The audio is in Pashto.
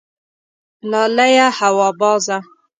لالیه هوا بازه